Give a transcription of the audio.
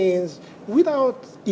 maka itu berarti